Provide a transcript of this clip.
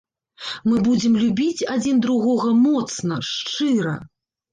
Мы будзем любіць адзін другога моцна, шчыра.